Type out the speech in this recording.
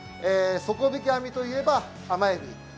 底引き網といえば、甘エビ。